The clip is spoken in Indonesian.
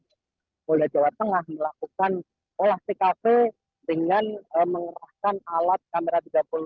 pula jawa tengah melakukan olahrikase dengan mengerahkan alat kamera tiga ratus enam puluh